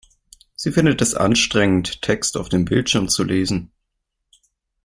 Sie findet es anstrengend, Text auf dem Bildschirm zu lesen.